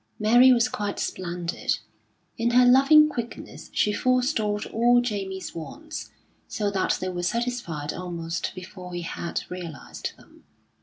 Mary was quite splendid. In her loving quickness she forestalled all Jamie's wants, so that they were satisfied almost before he had realised them.